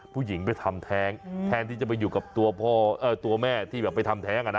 ผู้หญิงไปทำแท้งแทนที่จะไปอยู่กับตัวแม่ที่แบบไปทำแท้งอ่ะนะ